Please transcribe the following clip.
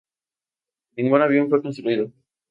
Ningún avión fue construido.